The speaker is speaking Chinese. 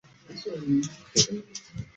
惜同年于美国加州圣地牙哥因癌症逝世。